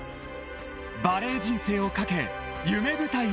［バレー人生をかけ夢舞台へ］